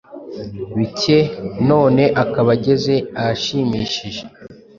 bike none akaba ageze ahashimishije.